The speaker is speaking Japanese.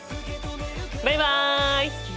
バイバイ！